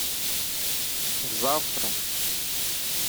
— Взавтра.